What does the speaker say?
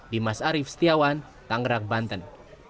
dimas arief setiawan tangerang banten